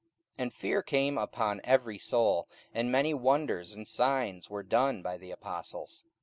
44:002:043 And fear came upon every soul: and many wonders and signs were done by the apostles.